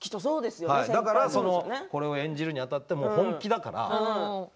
だから、これを演じるにあたって本気だから。